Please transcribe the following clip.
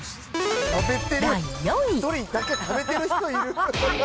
第４位。